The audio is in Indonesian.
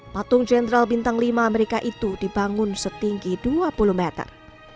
patung jenderal bintang lima amerika itu dibangun setinggi dua puluh meter